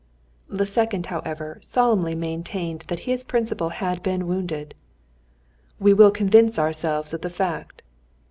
The second, however, solemnly maintained that his principal had been wounded. "We will convince ourselves of the fact."